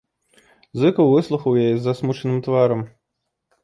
Зыкаў выслухаў яе з засмучаным тварам.